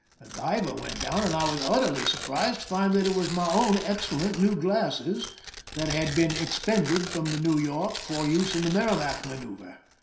A diver went down, and I was utterly surprised to find that it was my own excellent new glasses, that had been " expended " from the New YorJc for use in the Merrimac manoeuver.